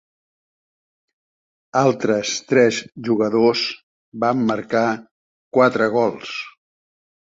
Altres tres jugadors van marcar quatre gols.